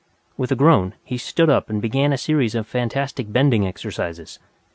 With a groan, he stood up and began a series of fantastic bending exercises.